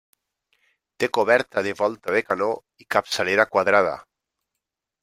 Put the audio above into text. Té coberta de volta de canó i capçalera quadrada.